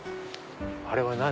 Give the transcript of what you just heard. あれは何？